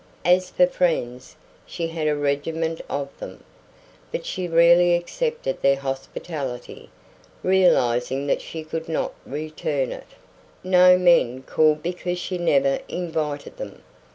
As for friends, she had a regiment of them. But she rarely accepted their hospitality, realizing that she could not return it. No young men called because she never invited them.